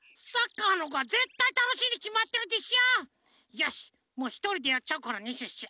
よしもうひとりでやっちゃうからねシュッシュ。